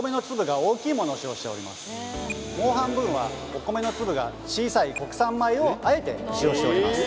もう半分はお米の粒が小さい国産米をあえて使用しております